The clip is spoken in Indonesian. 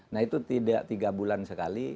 nah itu tidak tiga bulan sekali